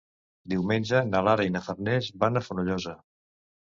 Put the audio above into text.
Diumenge na Lara i na Farners van a Fonollosa.